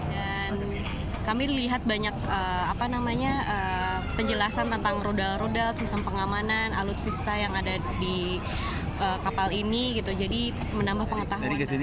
dan kami lihat banyak penjelasan tentang rudal rudal sistem pengamanan alutsista yang ada di kapal ini gitu jadi menambah pengetahuan